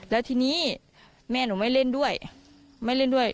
แล้วทีนี้แม่หนูไม่เล่นด้วยไม่เล่นด้วย